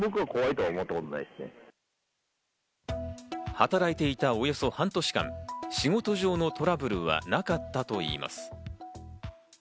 働いていたおよそ半年間、仕事上のトラブルはなかったといいます。